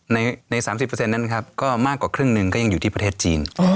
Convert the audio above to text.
ในในสามสิบเปอร์เซ็นต์นั้นครับก็มากกว่าครึ่งหนึ่งก็ยังอยู่ที่ประเทศจีน